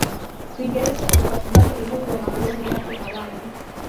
Uingereza ukakubali uhuru wa makoloni yake ya awali